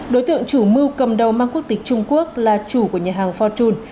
đối tượng chủ mưu cầm đầu mang quốc tịch trung quốc là chủ của nhà hàng fortune